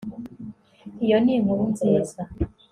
iyo ni inkuru nziza